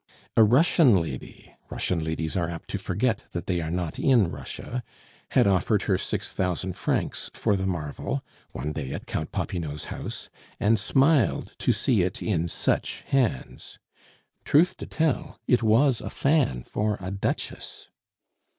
A Russian lady (Russian ladies are apt to forget that they are not in Russia) had offered her six thousand francs for the marvel one day at Count Popinot's house, and smiled to see it in such hands. Truth to tell, it was a fan for a Duchess.